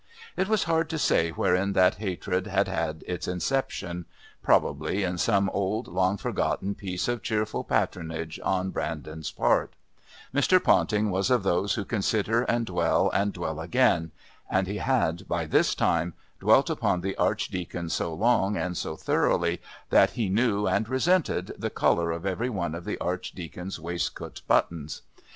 It was hard to say wherein that hatred had had it inception probably in some old, long forgotten piece of cheerful patronage on Brandon's part; Mr. Ponting was of those who consider and dwell and dwell again, and he had, by this time, dwelt upon the Archdeacon so long and so thoroughly that he knew and resented the colour of every one of the Archdeacon's waistcoat buttons.